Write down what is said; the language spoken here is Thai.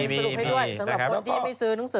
สรุปให้ด้วยสำหรับคนที่ไม่ซื้อหนังสือ